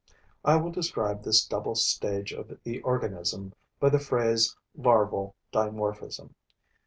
I will describe this double stage of the organism by the phrase 'larval dimorphism.'